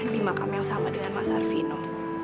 di makam yang sama dengan mas arvino